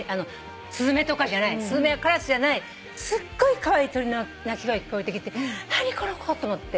スズメとかじゃないスズメやカラスじゃないすっごいカワイイ鳥の鳴き声が聞こえてきて何この子！と思って。